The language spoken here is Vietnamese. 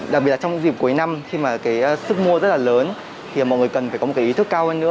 đặc biệt trong dịp cuối năm khi mà sức mua rất là lớn thì mọi người cần phải có một ý thức cao hơn nữa